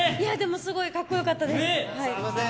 すごいかっこよかったです。